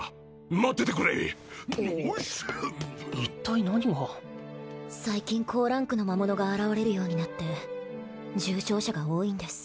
待っててくれ一体何が最近高ランクの魔物が現れるようになって重傷者が多いんです